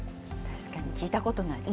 確かに聞いたことない。